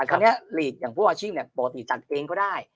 คราวนี้หลีกอย่างผู้อาชีพเนี่ยปกติจัดเองก็ได้